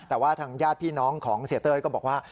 แต่ว่าทางญาติพี่น้องของเสียเต้ยก็บอกว่า